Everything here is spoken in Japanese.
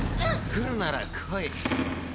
来るなら来い。